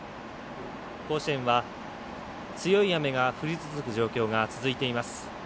甲子園は、強い雨が降り続く状況が続いています。